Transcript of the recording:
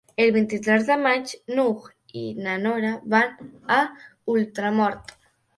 El vint-i-tres de maig n'Hug i na Nora van a Ultramort.